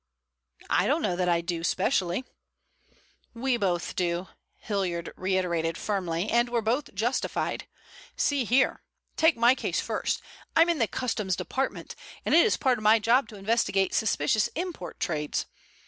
"I don't know that I do specially." "We both do," Hilliard reiterated firmly, "and we're both justified. See here. Take my case first. I'm in the Customs Department, and it is part of my job to investigate suspicious import trades.